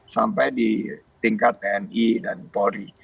sampai di tingkat tni dan polri